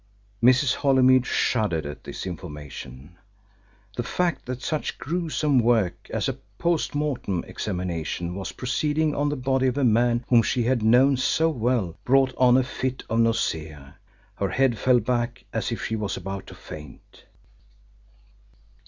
Mrs. Holymead shuddered at this information. The fact that such gruesome work as a post mortem examination was proceeding on the body of a man whom she had known so well brought on a fit of nausea. Her head fell back as if she was about to faint.